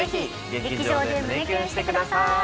劇場で胸キュンしてください。